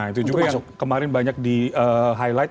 itu juga yang kemarin banyak di highlight